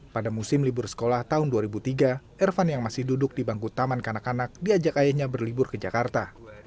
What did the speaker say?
pada musim libur sekolah tahun dua ribu tiga ervan yang masih duduk di bangku taman kanak kanak diajak ayahnya berlibur ke jakarta